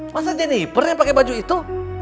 masa jennifer yang pake baju itu